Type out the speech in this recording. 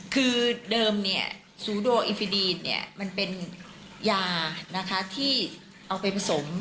คือเดิมซูโดอิฟิดีนมันเป็นยานะคะที่เอาไปผสม